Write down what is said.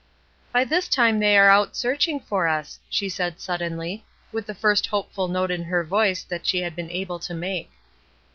"By this time they are out searching for us," she said suddenly, with the first hopeful note in her voice that she had been able to make.